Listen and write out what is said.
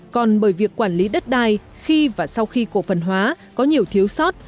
còn bởi việc quản lý đất đai khi và sau khi cổ phần hóa có nhiều thiếu sót